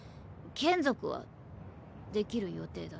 眷属はできる予定だし。